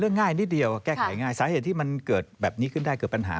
ง่ายนิดเดียวแก้ไขง่ายสาเหตุที่มันเกิดแบบนี้ขึ้นได้เกิดปัญหา